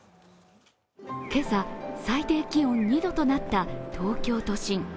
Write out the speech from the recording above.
今朝、最低気温２度となった東京都心。